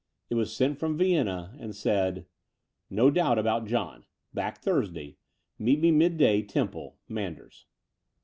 It was sent from Vienna and said: No doubt about John. Back Thursday. Meet me midday Temple. — Manders."